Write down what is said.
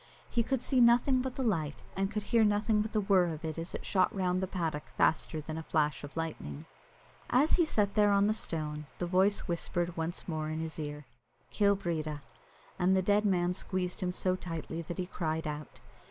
He could see nothing but the light, and he could hear nothing but the whirr of it as it shot round the paddock faster than a flash of lightning. As he sat there on the stone, the voice whispered once more in his ear, "Kill Breedya;" and the dead man squeezed him so tightly that he cried out.